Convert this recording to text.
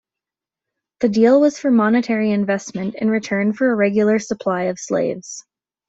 The deal was for monetary investment in return for a regular supply of slaves.